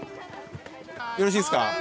よろしいですか。